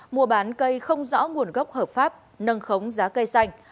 mua bán cây không rõ nguồn gốc hợp pháp nâng khống giá cây xanh